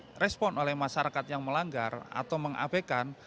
direspon oleh masyarakat yang melanggar atau mengabekan